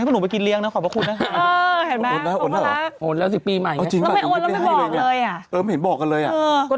อ่ะมึงเห็นบอกกันเลยอ่ะ